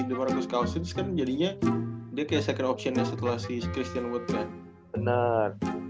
demarcus cousins kan jadinya dia kayak second option setelah si christian wood kan bener